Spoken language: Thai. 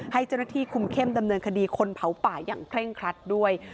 ให้เจ้าหน้าที่คุมเข้มดำเนินคดีคนเผาป่าอย่างเคร่งครัดด้วย